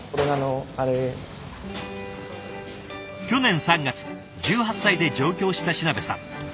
去年３月１８歳で上京した品部さん。